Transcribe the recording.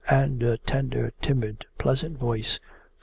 And a tender, timid, pleasant voice.